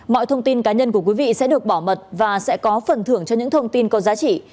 mọi thông tin cá nhân của quý vị sẽ được bảo mật và sẽ có phần thưởng cho những thông tin có giá trị